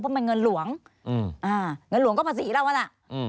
เพราะมันเงินหลวงเงินหลวงก็ภาษีแล้วนะ